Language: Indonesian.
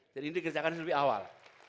jadi ini dikerjakan lebih awal